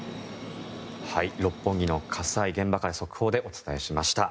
六本木の火災現場から速報でお伝えしました。